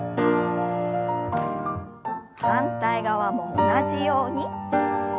反対側も同じように。